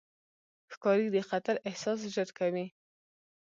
ښکاري د خطر احساس ژر کوي.